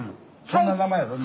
そんな名前やろ？